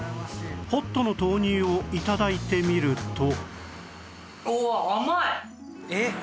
ホットの豆乳を頂いてみると